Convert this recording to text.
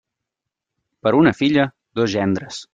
Per una filla, dos gendres.